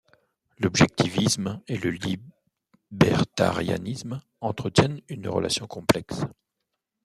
L'objectivisme et le libertarianisme entretiennent une relation complexe.